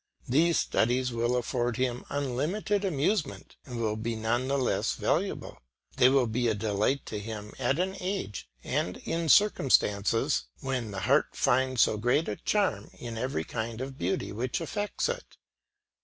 These studies will afford him unlimited amusement and will be none the less valuable; they will be a delight to him at an age and in circumstances when the heart finds so great a charm in every kind of beauty which affects it.